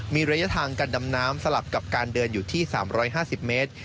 มีระยะทางการดำน้ำสลับกับการเดินอยู่ที่๓๕๐เมตร